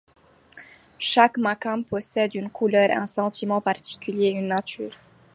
Chaque maqâm possède une couleur, un sentiment particulier, une nature.